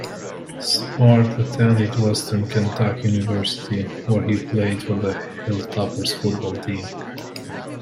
Smart attended Western Kentucky University, where he played for the Hilltoppers football team.